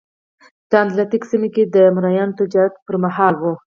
دا د اتلانتیک سیمه کې د مریانو تجارت پرمهال وه.